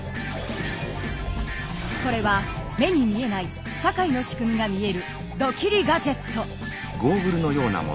これは目に見えない社会の仕組みが見えるドキリ・ガジェット。